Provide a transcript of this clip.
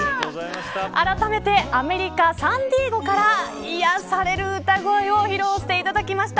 あらためてアメリカ、サンディエゴから癒やされる歌声を披露していただきました。